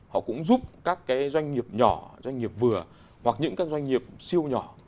họ cũng giúp các doanh nghiệp nhỏ doanh nghiệp vừa hoặc những doanh nghiệp siêu nhỏ